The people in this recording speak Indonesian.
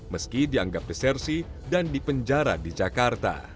meski dianggap desersi dan dipenjara di jakarta